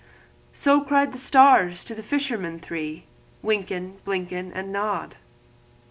So cried the stars to the fishermen three, Wynken, Blynken, And Nod.